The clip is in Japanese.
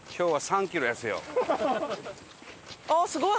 あっすごい。